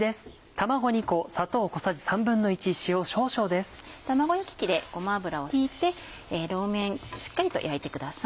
卵焼き器でごま油を引いて両面しっかりと焼いてください。